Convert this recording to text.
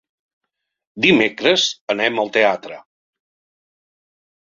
Dimecres anem al teatre.